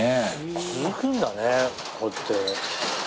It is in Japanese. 続くんだねこうやって。